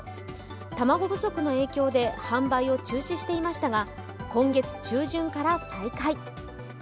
卵不足の影響で販売を中止していましたが、今月中旬から再開。